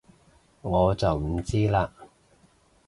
我就唔知喇